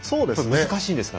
難しいんですか？